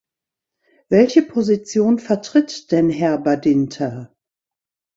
Welche Position vertritt denn Herr Badinter?